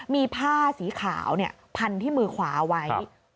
มีผ้าสีขาวพันที่มือขวาไว้